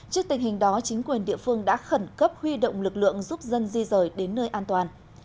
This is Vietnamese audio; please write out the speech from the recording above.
trước tình hình đó chính quyền địa phương đã khẩn cấp huy động lực lượng giúp dân di rời đến nơi an toàn